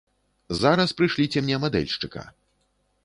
Зараз прышліце мне мадэльшчыка.